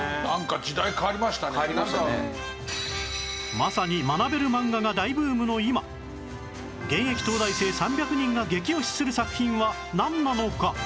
まさに学べる漫画が大ブームの今現役東大生３００人が激推しする作品はなんなのか？